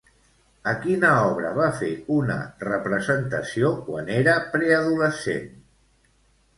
A quina obra va fer una representació quan era preadolescent?